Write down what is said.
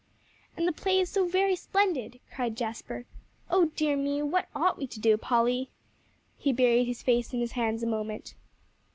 "And the play is so very splendid!" cried Jasper. "Oh dear me! what ought we to do, Polly?" He buried his face in his hands a moment.